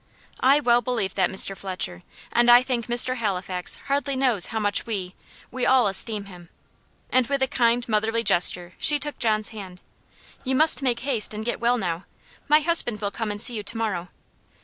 "I well believe that, Mr. Fletcher. And I think Mr. Halifax hardly knows how much we we all esteem him." And with a kind motherly gesture she took John's hand. "You must make haste and get well now. My husband will come and see you to morrow.